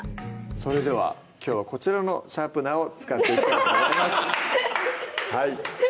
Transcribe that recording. それではきょうはこちらのシャープナーを使っていきたいと思います